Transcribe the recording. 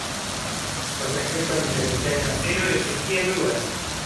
Con respecto al diferencial trasero existían dudas.